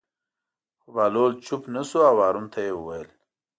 خو بهلول چوپ نه شو او هارون ته یې وویل.